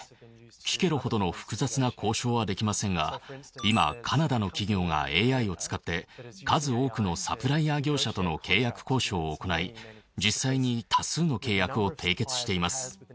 キケロほどの複雑な交渉はできませんが今カナダの企業がＡＩを使って数多くのサプライヤー業者との契約交渉を行い実際に多数の契約を締結しています。